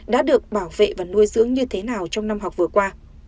đã được bảo vệ và nuôi dưỡng như thế nào trong năm học vừa qua